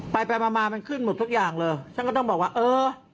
ไปไปมามามันขึ้นหมดทุกอย่างเลยฉันก็ต้องบอกว่าเออ